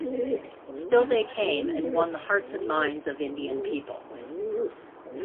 Still they came and won the hearts and minds of Indian people.